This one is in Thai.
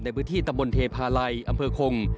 ในพื้นที่ตำบลเทพาลัยอำเภอคง